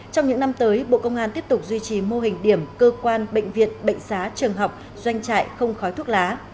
trong những năm tới bộ công an tiếp tục duy trì mô hình điểm cơ quan bệnh viện bệnh xá trường học doanh trại không khói thuốc lá